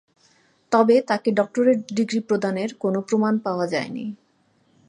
তবে তাকে doctorate degree প্রদানের কোন প্রমাণ পাওয়া যায়নি।